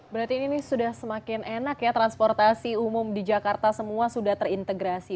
berarti ini sudah semakin enak ya transportasi umum di jakarta semua sudah terintegrasi